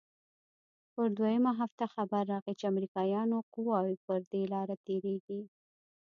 پر دويمه هفته خبر راغى چې امريکايانو قواوې پر دې لاره تېريږي.